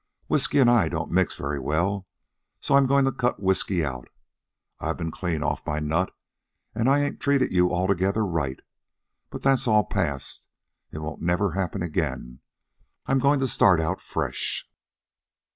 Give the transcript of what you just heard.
Whisky an' I don't mix very well, so I'm goin' to cut whisky out. I've been clean off my nut, an' I ain't treated you altogether right. But that's all past. It won't never happen again. I'm goin' to start out fresh.